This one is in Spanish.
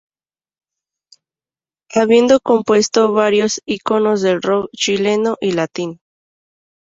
Habiendo Compuesto varios íconos del Rock chileno y Latino.